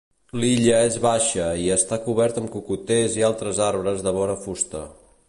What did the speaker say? L'illa és baixa i està cobert amb cocoters i altres arbres de bona fusta.